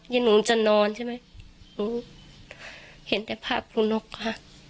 หนูจะนอนใช่ไหมหนูเห็นแต่ภาพครูนกค่ะ